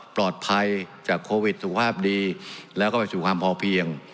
ปลอดภัยจากโควิดสุขภาพดีแล้วก็ไปสู่ความพอเพียง